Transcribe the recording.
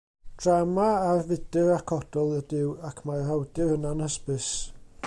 Drama ar fydr ac odl ydyw ac mae'r awdur yn anhysbys.